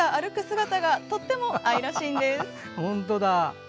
姿がとても愛らしいんです。